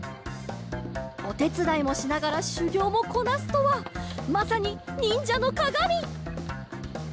おてつだいもしながらしゅぎょうもこなすとはまさににんじゃのかがみ！